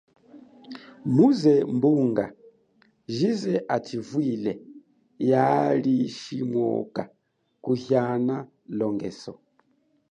Muze mbunga jize achivwile yaalishimwoka kuhiana longeso.